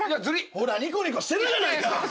ほらニコニコしてるじゃないか！